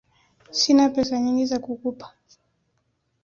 Sina pesa nyingi za kukupa